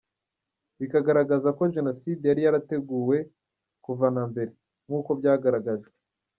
Bikagaragaraza ko Jenoside yari yarateguwe kuva na mbere; nk’uko byagaragajwe.